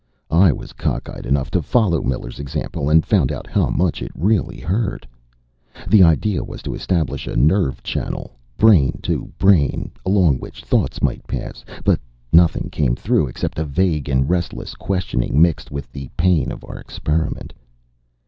I was cockeyed enough to follow Miller's example and found out how much it really hurt. The idea was to establish a nerve channel, brain to brain, along which thoughts might pass. But nothing came through except a vague and restless questioning, mixed with the pain of our experiment.